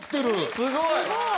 すごい！